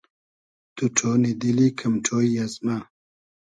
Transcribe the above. تو ݖۉنی دیلی کئم ݖۉیی از مۂ